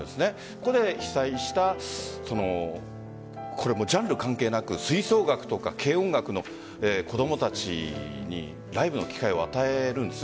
ここで被災したジャンル関係なく吹奏楽とか軽音楽の子供たちにライブの機会を与えるんです。